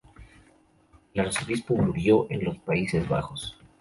El arzobispo murió en los Países Bajos.